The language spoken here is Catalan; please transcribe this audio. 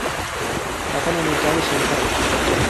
Va canonitzar Vicent Ferrer.